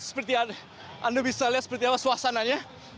seperti anda bisa lihat seperti apa suasananya